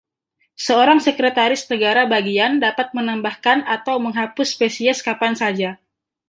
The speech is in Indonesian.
Seorang sekretaris negara bagian dapat menambahkan atau menghapus spesies kapan saja.